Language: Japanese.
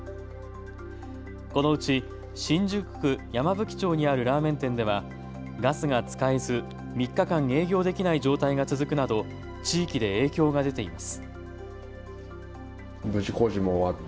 このうち新宿区山吹町にあるラーメン店ではガスが使えず、３日間営業できない状態が続くなど地域で影響が出ています。